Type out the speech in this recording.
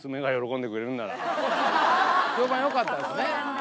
評判よかったですね。